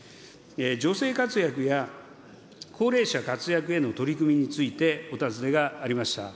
女性活躍や高齢者活躍への取り組みについてお尋ねがありました。